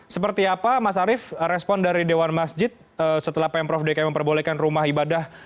seperti apa mas arief respon dari dewan masjid setelah pemprov dki memperbolehkan rumah ibadah